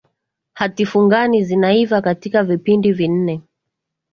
hati fungani zinaiva katika vipindi vinne